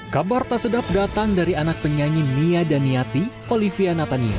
kabar tak sedap datang dari anak penyanyi nia daniati olivia natania